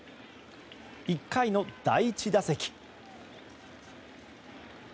１回の第１打席。